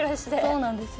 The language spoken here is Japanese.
そうなんですよ。